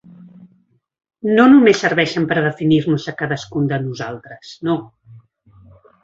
No només serveixen per a definir-nos a cadascun de nosaltres, no.